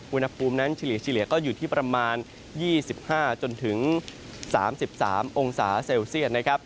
อุณหภูมินั้นเฉลี่ยก็อยู่ที่ประมาณ๒๕จนถึง๓๓องศาเซลเซียตนะครับ